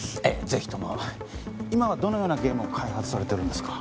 ぜひとも今はどのようなゲームを開発されてるんですか